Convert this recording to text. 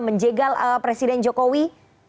menjegal presiden jokowi